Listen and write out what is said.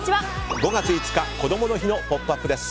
５月５日、こどもの日の「ポップＵＰ！」です。